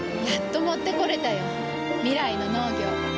やっと持ってこれたよ。未来の農業。